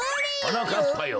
はなかっぱよ